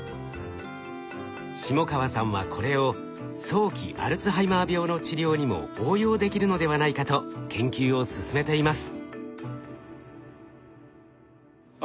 下川さんはこれを早期アルツハイマー病の治療にも応用できるのではないかと研究を進めています。